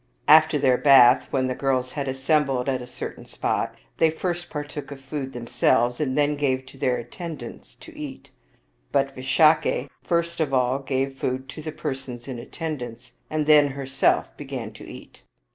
After their bath, when the girls had assembled at a certain spot, they first partook of food themselves, and then gave to their attend ants to eat ; but Visakha first of all gave food to the persons in attendance, and then herself began to eat.